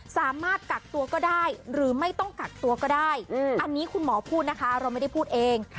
สามารถกักตัวก็ได้หรือไม่ต้องกักตัวก็ได้อันนี้คุณหมอพูดนะคะเราไม่ได้พูดเอง